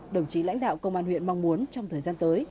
đồng chí lãnh đạo công an huyện mong muốn trong thời gian tới